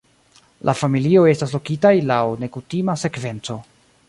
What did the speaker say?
La familioj estas lokitaj laŭ nekutima sekvenco.